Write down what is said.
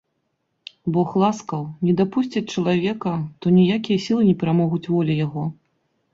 Бог ласкаў, не дапусціць чалавека, то ніякія сілы не перамогуць волі яго.